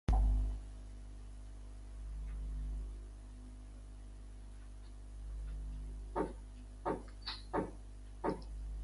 ለሶሪያ እንዲሁም በፊንቄያውያን ለተመሠረተችው ታላቋ የሰሜን አፍሪካ ከተማ ካርቴጅ የአሁኗ ቱኒዝ አስተዋወቁ።